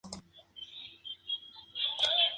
Estudió teología en Königsberg, Halle y Berlín.